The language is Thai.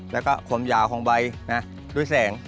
แล้วก็ความยาวของใบด้วยแสง